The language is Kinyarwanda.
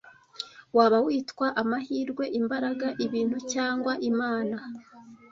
waba witwa amahirwe imbaraga ibintu cyangwa imana